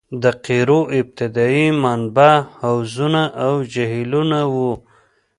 د قیرو ابتدايي منبع حوضونه او جهیلونه وو